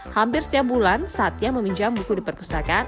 hampir setiap bulan satya meminjam buku di perpustakaan